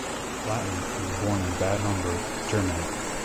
Klatten was born in Bad Homburg, Germany.